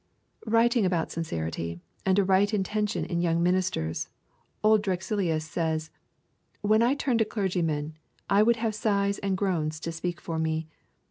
Writing about sincerity and a right intention in young ministers, old Drexilius says: 'When I turn to clergymen, I would have sighs and groans to speak for me.